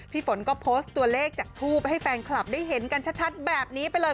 ฝนก็โพสต์ตัวเลขจากทูปให้แฟนคลับได้เห็นกันชัดแบบนี้ไปเลย